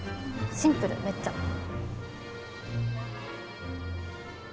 シンプルめっちゃ。